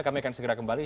kami akan segera kembali